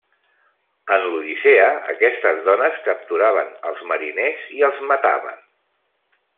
En l'Odissea aquestes dones capturaven als mariners i els mataven.